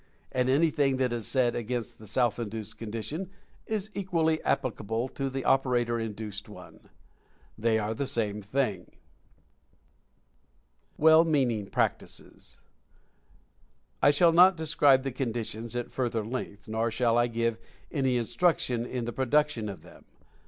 And anything that is said against the self induced condi tion is equally applicable to the operator induced one. They are the same thing! Dangers of Psychism 153 WILL WEAKENING PRACTICES. I shall not describe the conditions at further length, nor shall I give any instructions in the production of them.